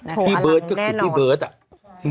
อัลห่างแน่นอน